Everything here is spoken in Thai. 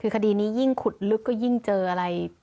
คือคดีนี้ยิ่งขุดลึกก็ยิ่งเจออะไร